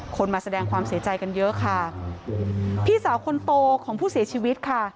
มาแสดงความเสียใจกันเยอะค่ะพี่สาวคนโตของผู้เสียชีวิตค่ะ